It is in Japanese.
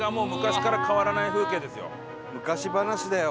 昔話だよ